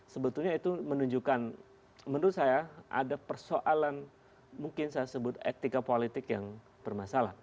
sebetulnya itu menunjukkan menurut saya ada persoalan mungkin saya sebut etika politik yang bermasalah